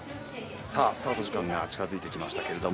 スタート時間が近づいてきました。